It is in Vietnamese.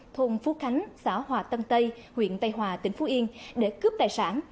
thôn phú khánh xã hòa tân tây huyện tây hòa tỉnh phú yên để cướp tài sản